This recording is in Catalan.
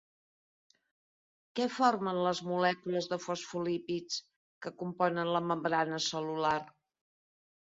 Què formen les molècules de fosfolípids que componen la membrana cel·lular?